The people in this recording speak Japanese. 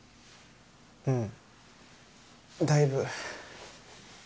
うんだいぶ。